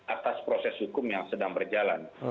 atas proses hukum yang sedang berjalan